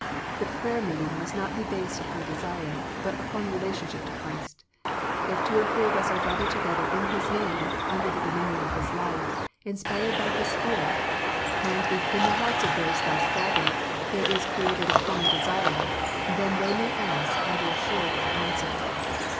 The prayer meeting must not be based upon desire, but upon relationship to Christ. 1 If two or three of us are gathered together in His / name, under the dominion of His life, inspired by \ His Spirit, and if in the hearts of those thus gath j ered there is created a common desire, then they \ may ask and be assured of the answer.